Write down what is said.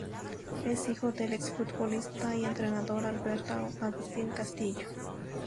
Es hijo del exfutbolista y entrenador Alberto Agustín Castillo.